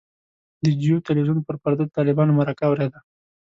د جیو تلویزیون پر پرده د طالبانو مرکه اورېده.